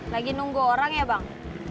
lagi nunggu orang ya bang